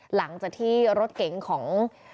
หลังจากที่รถเก๋งของ